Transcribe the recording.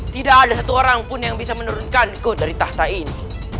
tidak ada satu orang pun yang bisa menurunkanku dari tahta ini